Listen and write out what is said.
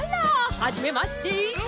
はじめまして。